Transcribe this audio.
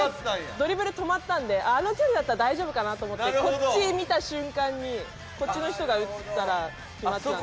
ドリブル止まったのであの距離だったら大丈夫かなと思ってこっちを見た瞬間にこっちの人が打ったら決まってたので。